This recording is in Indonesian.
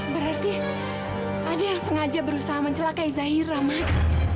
berarti ada yang sengaja berusaha mencelakai zahira mas